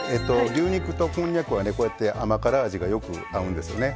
牛肉とこんにゃくはねこうやって甘辛味がよく合うんですよね。